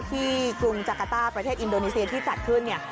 กรุงจักรต้าประเทศอินโดนีเซียที่จัดขึ้นเนี่ย